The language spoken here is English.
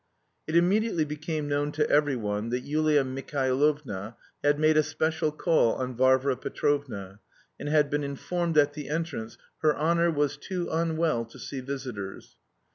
It immediately became known to every one that Yulia Mihailovna had made a special call on Varvara Petrovna, and had been informed at the entrance: "Her honour was too unwell to see visitors."